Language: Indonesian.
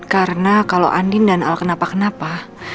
karena kalau andin dan al kenapa kenapa